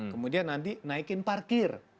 kemudian nanti naikin parkir